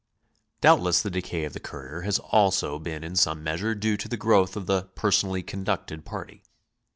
Doubtless the decay of the courier has also been in some measure due to the growth of the ^'personally conducted party.